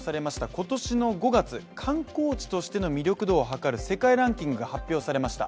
今年の５月、観光地としての魅力度をはかる世界ランキングが発表されました。